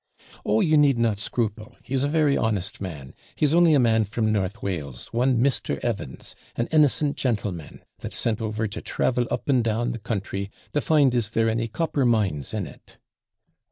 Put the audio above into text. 'Oh, you need not scruple, he's a very honest man; he's only a man from North Wales, one Mr. Evans, an innocent jantleman, that's sent over to travel up and down the country, to find is there any copper mines in it.'